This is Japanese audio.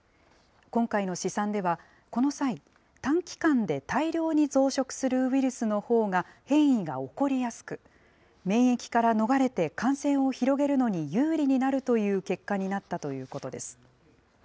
今回の試算では、この際、短期間で大量に増殖するウイルスのほうが変異が起こりやすく、免疫から逃れて感染を広げるのに有利になるという結果になったということです。